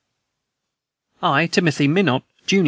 "I, Timothy Minot, jun.